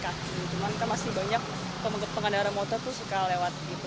cuman kita masih banyak pengendara motor tuh suka lewat gitu